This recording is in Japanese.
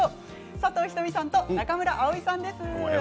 佐藤仁美さんと中村蒼さんです。